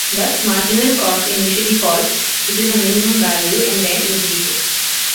Thus marginal cost initially falls, reaches a minimum value and then increases.